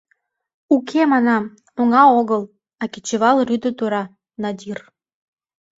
— Уке, — манам, — оҥа огыл, а кечывал рӱдӧ тура — надир...